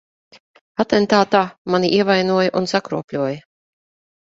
Atentātā mani ievainoja un sakropļoja.